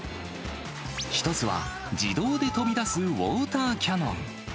１つは、自動で飛び出すウォーターキャノン。